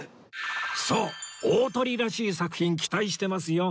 そう大トリらしい作品期待してますよ